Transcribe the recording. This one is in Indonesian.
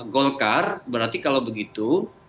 golkar berarti kalau begitu